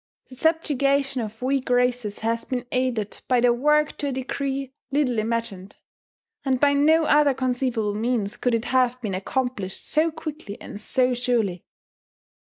The subjugation of weak races has been aided by their work to a degree little imagined; and by no other conceivable means could it have been accomplished so quickly and so surely.